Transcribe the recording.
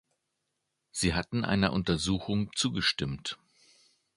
Sie hatten einer Untersuchung zugestimmt.